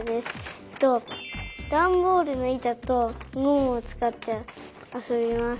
えっとだんボールのいたとゴムをつかってあそびます。